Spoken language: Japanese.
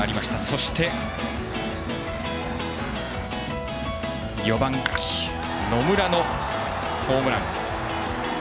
そして、４番の野村のホームラン。